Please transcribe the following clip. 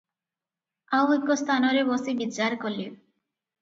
ଆଉ ଏକ ସ୍ଥାନରେ ବସି ବିଚାର କଲେ ।